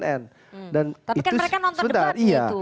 tapi kan mereka nonton debat gitu